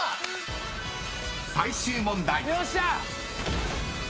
［最終問題］